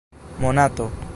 monato